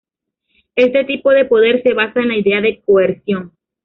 Este tipo de poder se basa en la idea de coerción.